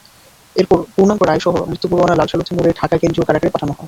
এরপর পূর্ণাঙ্গ রায়সহ মৃত্যু পরোয়ানা লালসালুতে মুড়ে ঢাকা কেন্দ্রীয় কারাগারে পাঠানো হয়।